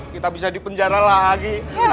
kita bisa dipenjara lagi